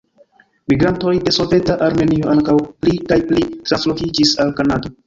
Migrantoj de soveta Armenio ankaŭ pli kaj pli translokiĝis al Kanado.